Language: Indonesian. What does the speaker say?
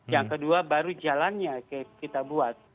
yang kedua baru jalannya kita buat